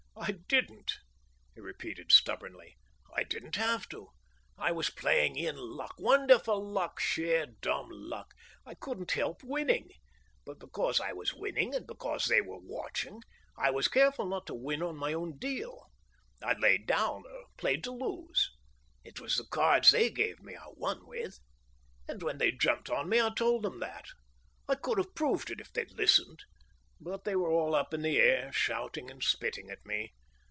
"I didn't!" he repeated stubbornly. "I didn't have to! I was playing in luck wonderful luck sheer, dumb luck. I couldn't help winning. But because I was winning and because they were watching, I was careful not to win on my own deal. I laid down, or played to lose. It was the cards they gave me I won with. And when they jumped me I told 'em that. I could have proved it if they'd listened. But they were all up in the air, shouting and spitting at me.